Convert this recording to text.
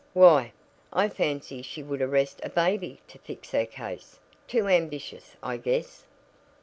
Why, I fancy she would arrest a baby to fix her case. Too ambitious, I guess."